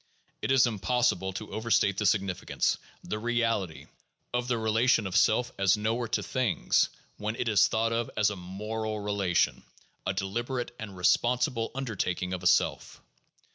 It is impossible to overstate the significance, the reality, of the relation of self as knower to things when it is thought of as a moral relation, a deliberate and responsible undertaking of a self.